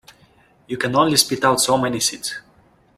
You can only spit out so many seeds.